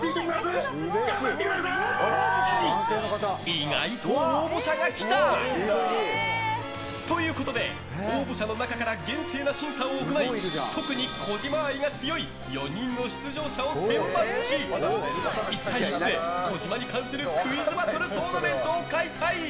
意外と応募者が来た！ということで、応募者の中から厳正な審査を行い特に児嶋愛が強い４人の出場者を選抜し１対１で児嶋に関するクイズバトルトーナメントを開催。